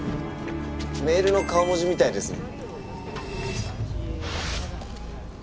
メールの顔文字みたいですね。